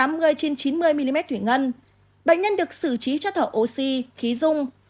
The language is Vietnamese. bệnh nhân được xử trí cho thở oxy khí dung